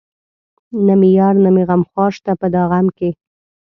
نه مې يار نه مې غمخوار شته په دا غم کې